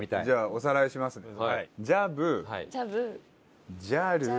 じゃあおさらいします。